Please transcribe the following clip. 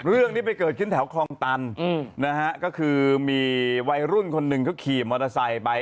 เรื่องนี้ไปเกิดขึ้นแถวคลองตันนะฮะก็คือมีวัยรุ่นคนหนึ่งเขาขี่มอเตอร์ไซค์ไป